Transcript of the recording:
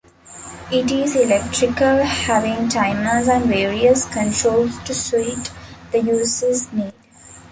It is electrical, having timers and various controls to suit the user's needs.